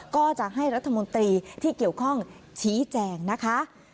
ก็จะให้รัฐมนตรีที่เกี่ยวข้องชี้แจงนะคะ